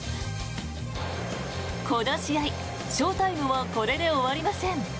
この試合、ショウタイムはこれで終わりません。